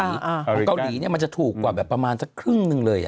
ของเกาหลีเนี่ยมันจะถูกกว่าแบบประมาณสักครึ่งหนึ่งเลย